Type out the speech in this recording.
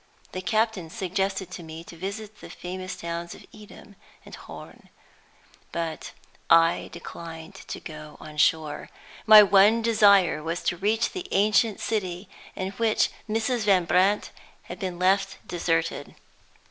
The captain suggested to me to visit the famous towns of Edam and Hoorn; but I declined to go on shore. My one desire was to reach the ancient city in which Mrs. Van Brandt had been left deserted.